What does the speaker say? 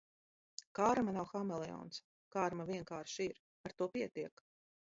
Karma nav hameleons, karma vienkārši ir. Ar to pietiek!